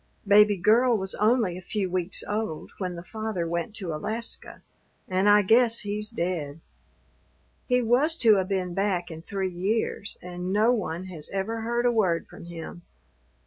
Baby Girl was only a few weeks old when the father went to Alaska, and I guess he's dead. He was to 'a' been back in three years, and no one has ever heard a word from him.